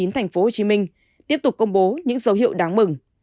tp hcm tiếp tục công bố những dấu hiệu đáng mừng